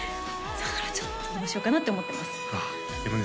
だからちょっとどうしようかなって思ってますでもね